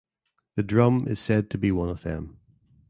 This drum is said to be one of them.